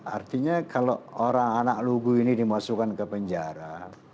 artinya kalau orang anak lugu ini dimasukkan ke penjara